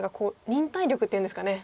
忍耐力っていうんですかね。